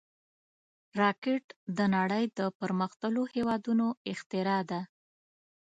راکټ د نړۍ د پرمختللو هېوادونو اختراع ده